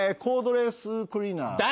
コードレスクリーナー。